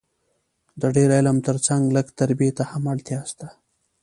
د ډېر علم تر څنګ لږ تربیې ته هم اړتیا سته